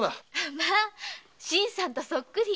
新さんとそっくり。